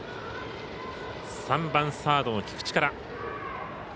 ３番、サードの菊地から。